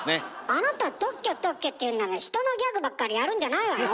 あなた「特許特許」って言うんなら人のギャグばっかりやるんじゃないわよ。